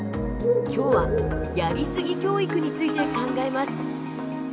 今日は「やりすぎ教育」について考えます。